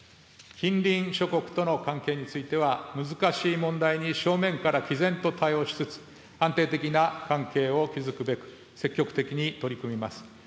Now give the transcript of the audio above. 近隣諸国との関係については、難しい問題に正面からきぜんと対応しつつ、安定的な関係を築くべく、積極的に取り組みます。